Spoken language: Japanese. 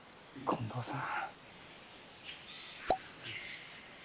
近藤さん。